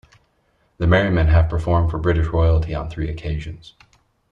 The Merrymen have performed for British Royalty on three occasions.